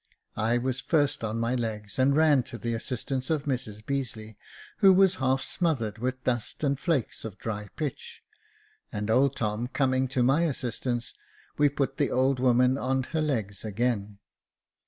I was first on my legs, and ran to the assistance of Mrs Beazeley, who was half smothered with dust and flakes of dry pitch ; and old Tom coming to my assistance, we put the old woman on her legs again.